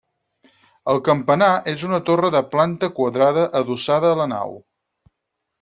El campanar és una torre de planta quadrada adossada a la nau.